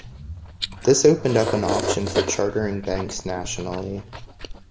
This opened up an option for chartering banks nationally.